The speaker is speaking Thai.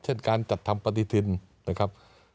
เช่นการจัดทำปฏิทินนะครับ